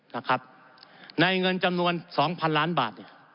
นะครับในเงินจำนวน๒๐๐๐ล้านบาท